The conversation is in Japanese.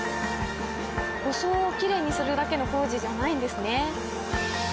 装をきれいにするだけの工事じゃないんですね。